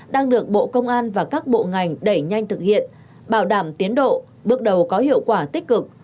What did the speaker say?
đang được bộ công an và các bộ ngành đẩy nhanh thực hiện bảo đảm tiến độ bước đầu có hiệu quả tích cực